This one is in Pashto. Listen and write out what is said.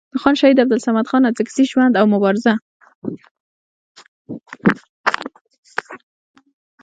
د خان شهید عبدالصمد خان اڅکزي ژوند او مبارزه